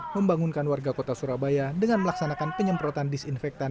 membangunkan warga kota surabaya dengan melaksanakan penyemprotan disinfektan